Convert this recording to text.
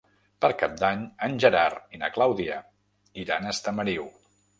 Per Cap d'Any en Gerard i na Clàudia iran a Estamariu.